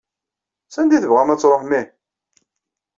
Sanda i tebɣam ad tṛuḥem ihi?